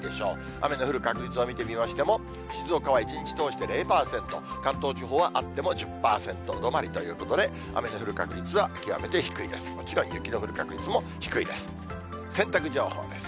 雨の降る確率を見てみましても、静岡は一日通して０％、関東地方はあっても１０％止まりということで、雨の降る確率は極めて低いです。